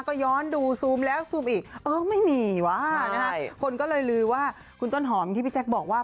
ก็ย้อนดูและอ่าไม่มีว่าละฮะคนก็เลยลืมว่าคุณต้นหอมที่พี่แจ๊คบอกว่า